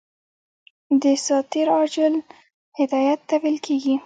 دساتیر عاجل هدایت ته ویل کیږي.